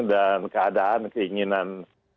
dan keadaan keinginan